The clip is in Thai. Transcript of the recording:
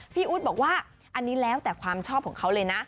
อุ๊ดบอกว่าอันนี้แล้วแต่ความชอบของเขาเลยนะ